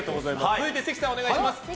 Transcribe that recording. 続いて関さん、お願いします。